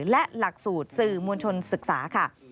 และหลักสูตรสื่อมวลชนศึกษาค่ะ